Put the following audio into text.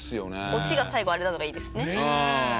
オチが最後あれなのがいいですね。